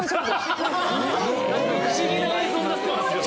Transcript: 何か不思議な映像になってますよ。